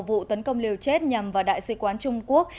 vụ tấn công liều chết nhằm vào đại sứ quán trung quốc